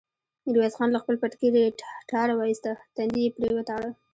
ميرويس خان له خپل پټکي ريتاړه واېسته، تندی يې پرې وتاړه.